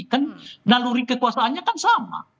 kan naluri kekuasaannya kan sama